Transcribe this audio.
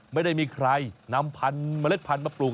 ไม่ได้มีใครนำพันธุเมล็ดพันธุ์มาปลูก